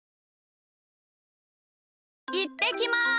いってきます！